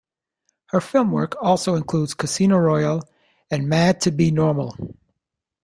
Her film work also includes "Casino Royale" and "Mad to Be Normal".